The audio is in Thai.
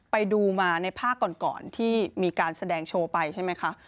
ไปดูมาในภาคก่อนที่มีการแสดงโชว์ไปใช่ไหมคะ